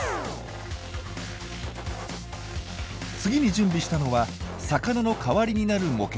次に準備したのは魚の代わりになる模型。